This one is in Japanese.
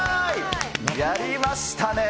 やりましたね。